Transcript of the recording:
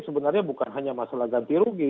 sebenarnya bukan hanya masalah ganti rugi